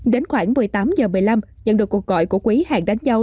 đến khoảng một mươi tám h một mươi năm nhận được cuộc gọi của quý hàng đánh dâu